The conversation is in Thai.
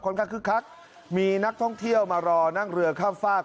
คึกคักมีนักท่องเที่ยวมารอนั่งเรือข้ามฝาก